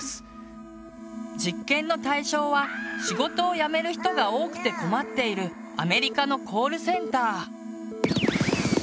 実験の対象は仕事を辞める人が多くて困っているアメリカのコールセンター。